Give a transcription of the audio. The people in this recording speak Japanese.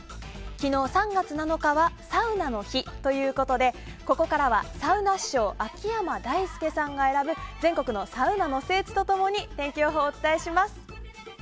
昨日３月７日はサウナの日ということでここからはサウナ師匠秋山大輔さんが選ぶ全国のサウナの聖地と共に天気予報をお伝えします。